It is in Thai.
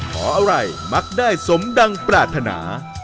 เพราะอะไรมักได้สมดังปรารถนา